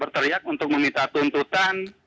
berteriak untuk meminta tuntutan